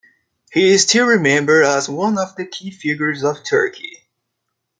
He is still remembered as one of the key figures of Turkey.